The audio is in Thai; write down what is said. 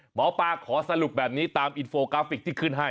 หมอปลาขอสรุปแบบนี้ตามอินโฟกราฟิกที่ขึ้นให้